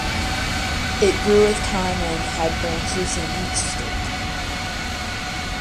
It grew with time and had branches in each state.